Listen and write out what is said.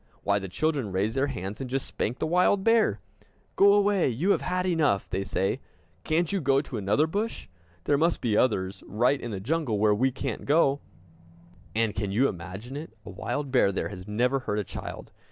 Why, the children raise their hands, and just spank the wild bear! "Go away, you have had enough!" they say. "Can't you go to another bush? There must be others right in the jungle, where we can't go!" And, can you imagine it, a wild bear there has never hurt a child!